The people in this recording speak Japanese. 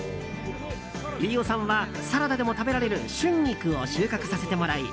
飯尾さんはサラダでも食べられる春菊を収穫させてもらい